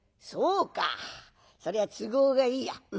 「そうかそりゃ都合がいいや。